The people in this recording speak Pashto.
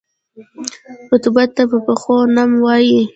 رطوبت ته په پښتو نم وايي.